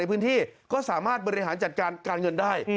พื้นที่ก็สามารถบริหารจัดการการเงินได้